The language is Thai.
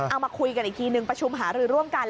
เอามาคุยกันอีกทีนึงประชุมหารือร่วมกัน